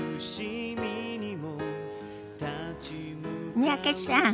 三宅さん